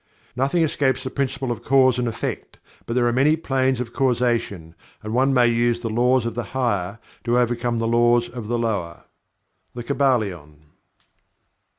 "Nothing escapes the Principle of Cause and Effect, but there are many Planes of Causation, and one may use the laws of the higher to overcome the laws of the lower." The Kybalion.